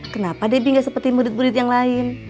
kenapa debi gak seperti murid murid yang lain